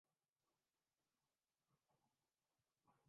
لوگوں کو کامیابی کے لمحات سے لطف اندواز ہونے کا موقع دینا چاہئے